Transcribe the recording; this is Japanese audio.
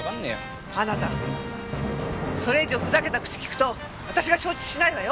あなたそれ以上ふざけた口利くと私が承知しないわよ。